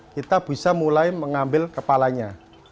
kita bisa mulai mengambil kepalanya